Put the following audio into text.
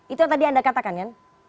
itu yang tadi anda katakan kan